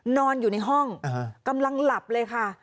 นอนอยู่ในห้องกำลังหลับเลยค่ะ